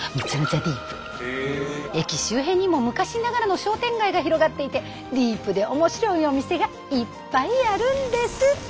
駅周辺にも昔ながらの商店街が広がっていてディープで面白いお店がいっぱいあるんです！